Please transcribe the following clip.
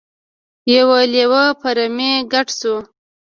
یو لیوه په رمې ګډ شو.